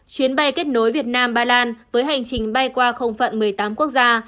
chuyến bay kết nối việt nam ba lan với hành trình bay qua không phận một mươi tám quốc gia